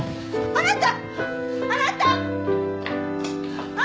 あなた！